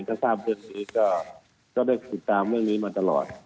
ท่านท่านบริษัทเย็นนี้ก็ได้ติดตามเรื่องนี้มาตลอด